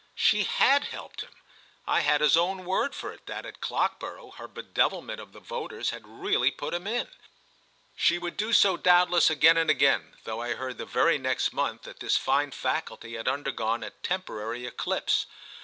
She had helped him—I had his own word for it that at Clockborough her bedevilment of the voters had really put him in. She would do so doubtless again and again, though I heard the very next month that this fine faculty had undergone a temporary eclipse.